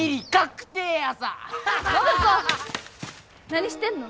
何してんの？